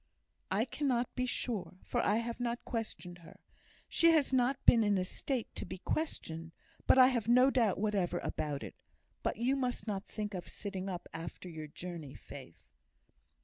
"I cannot be sure, for I have not questioned her. She has not been in a state to be questioned; but I have no doubt whatever about it. But you must not think of sitting up after your journey, Faith."